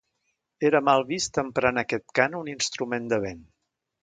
Era mal vist emprar en aquest cant un instrument de vent.